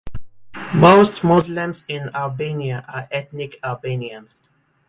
Most Muslims in Albania are ethnic Albanians.